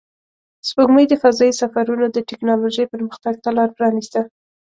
سپوږمۍ د فضایي سفرونو د تکنالوژۍ پرمختګ ته لار پرانیسته